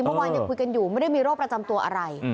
เมื่อวานคุยกันอยู่ไม่ได้มีโรคประจำตัวอะไร